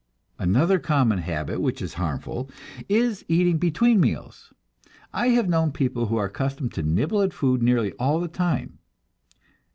Another common habit which is harmful is eating between meals. I have known people who are accustomed to nibble at food nearly all the time.